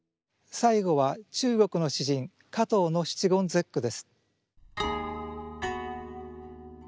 最後は中国の詩人賈島の七言絶句です。